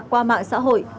qua mạng xã hội